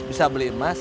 bisa beli emas